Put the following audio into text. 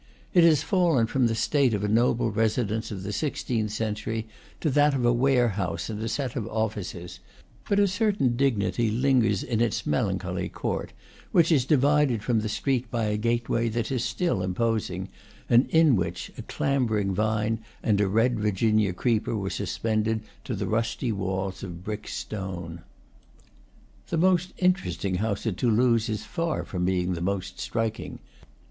It has fallen from the state of a noble residence of the sixteenth century to that of a warehouse and a set of offices; but a certain dignity lingers in its melancholy court, which is divided from the street by a gateway that is still imposing, and in which a clambering vine and a red Virginia creeper were suspended to the rusty walls of brick stone. The most interesting house at Toulouse is far from being the most striking.